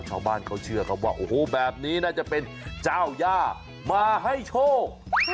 ชาวบ้านเขาเชื่อครับว่าโอ้โหแบบนี้น่าจะเป็นเจ้าย่ามาให้โชค